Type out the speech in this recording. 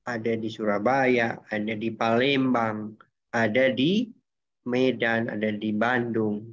ada di surabaya ada di palembang ada di medan ada di bandung